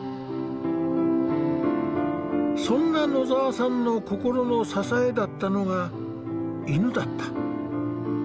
そんな野澤さんの心の支えだったのが犬だった。